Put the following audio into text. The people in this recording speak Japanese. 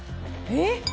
えっ？